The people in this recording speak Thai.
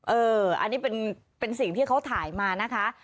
เอออันนี้เป็นสิ่งที่เขาถ่ายมานะคะ